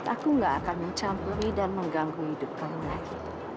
aku gak akan mencampuri dan mengganggu hidup kamu lagi